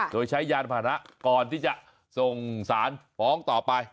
โดยใช้ยานผ่านะก่อนที่จะส่งสารฟ้องต่อไป